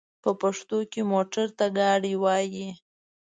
په پښتو کې موټر ته ګاډی وايي.